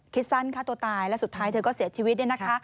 คิดสั้นฆ่าตัวตายและสุดท้ายเธอก็เสียชีวิต